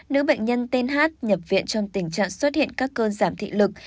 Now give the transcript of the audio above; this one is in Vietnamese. nữ bệnh nhân tên h nhập viện trong tình trạng xuất hiện các cơn giảm thị lực